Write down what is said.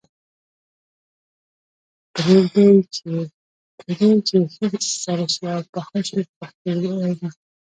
پرېږدي یې چې ښه سره شي او پاخه شي په پښتو وینا.